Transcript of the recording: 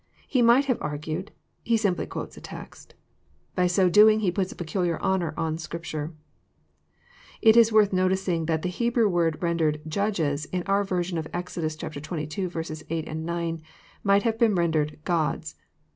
He might have argued : He sim ply quotes a text. By so doing He puts peculiar honour on Scripture. It is worth noticing that the Hebrew word rendered "judges" in our version of Exodus xxii. 8, 9, might have been rendered '* gods."